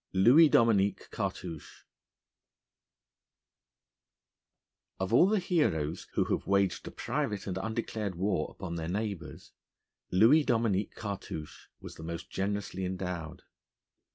II LOUIS DOMINIQUE CARTOUCHE Of all the heroes who have waged a private and undeclared war upon their neighbours, Louis Dominique Cartouche was the most generously endowed.